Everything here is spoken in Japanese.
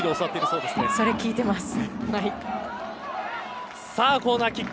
それ聞いてます。